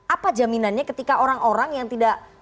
apa jaminannya ketika orang orang yang tidak